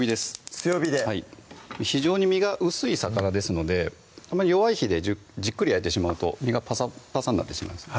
強火で非常に身が薄い魚ですので弱い火でじっくり焼いてしまうと身がパサパサになってしまいます